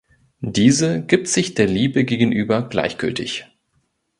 Diese gibt sich der Liebe gegenüber gleichgültig.